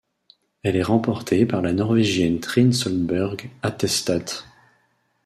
Elle est remportée par la Norvégienne Trine Solberg-Hattestad.